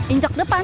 injak ke depan